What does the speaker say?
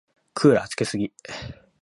クーラーつけすぎ。